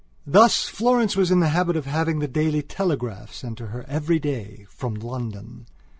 Thus, Florence was in the habit of having the Daily Telegraph sent to her every day from London.